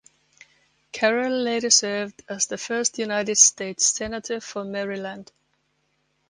Carroll later served as the first United States Senator for Maryland.